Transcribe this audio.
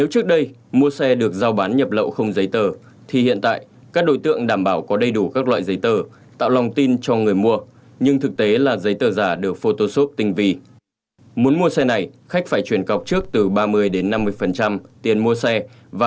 cảm ơn các đối tượng đã theo dõi và đăng ký kênh để ủng hộ kênh của mình